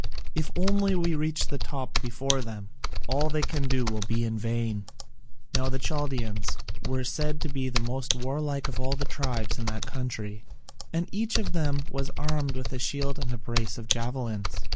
If only we reach the top before them, all they can do will be in vain." Now the Chaldaeans were said to be the most warlike of all the tribes in that country, and each of them was armed with a shield and a brace of javelins.